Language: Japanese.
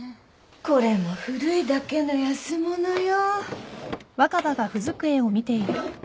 これも古いだけの安物よ。